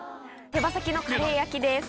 手羽先のカレー焼きです。